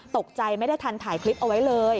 ตกใจไม่ได้ทันถ่ายคลิปเอาไว้เลย